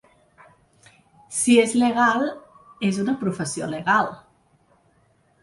Si és legal, és una professió legal.